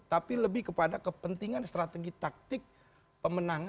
tapi lebih kepada kepentingan strategi taktik pemenangan